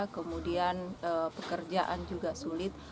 kemudian pekerjaan juga sulit